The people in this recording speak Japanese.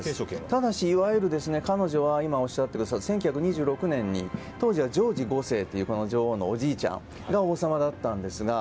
ただしいわゆる彼女は１９２６年に当時はジョージ５世というおじいちゃんが王様だったんですが。